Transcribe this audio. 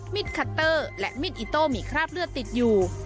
คัตเตอร์และมีดอิโต้มีคราบเลือดติดอยู่